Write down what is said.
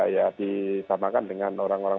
ya disamakan dengan orang orang